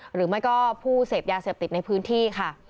หรือไม่ก็ผู้เสพยาเสพติดในพื้นที่ค่ะ